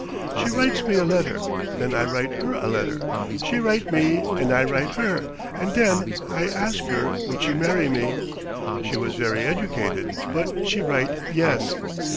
She write me a letter, then I write her a letter. She write me and I write her, and den I ask her would she marry me. She was very educated, but she write yes.